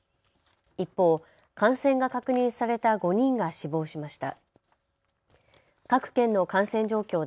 一方、感染が確認された５人が死亡しました。